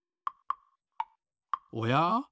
おや？